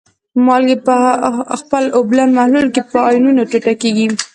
مالګې په خپل اوبلن محلول کې په آیونونو ټوټه کیږي.